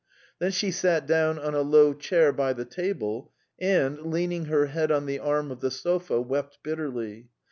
Then she sat down on a low chair by the table, and, leaning her head on the arm of the sofa, wept bitterly.